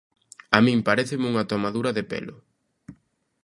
¡A min paréceme unha tomadura de pelo!